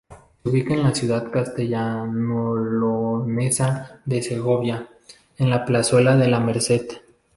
Se ubica en la ciudad castellanoleonesa de Segovia, en la plazuela de la Merced.